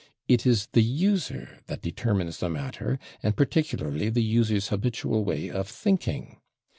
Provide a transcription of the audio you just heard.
It is the user that determines the matter, and particularly the user's habitual way of thinking.